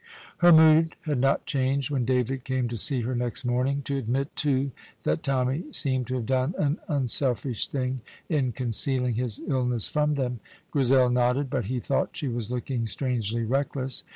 Her mood had not changed when David came to see her next morning, to admit, too, that Tommy seemed to have done an unselfish thing in concealing his illness from them. Grizel nodded, but he thought she was looking strangely reckless.